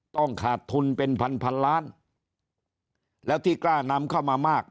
ขาดทุนเป็นพันพันล้านแล้วที่กล้านำเข้ามามาก